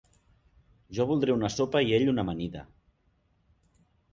Jo voldré una sopa i ell una amanida.